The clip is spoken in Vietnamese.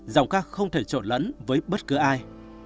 giọng khát không thể trộn lẫn với bất cứ ai